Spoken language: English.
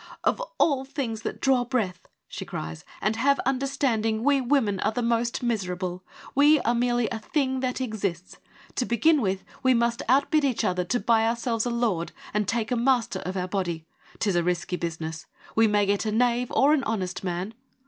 ' Of all things that draw breath/ she cries, ' and have understanding, we women are the most miserable ; we are merely a thing that exists. To begin with, we must outbid each other to buy ourselves a lord and take a master of our body. 'Tis a risky business — we may get a knave or an honest man.